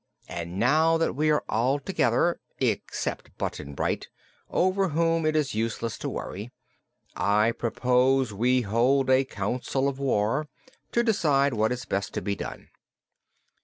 And now that we are all together except Button Bright, over whom it is useless to worry I propose we hold a council of war, to decide what is best to be done."